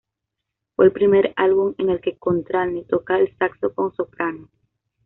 Fue el primer álbum en el que Coltrane toca el saxofón soprano.